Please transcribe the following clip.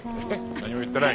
何も言ってない。